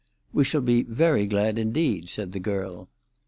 "We shall be very glad indeed," said the girl.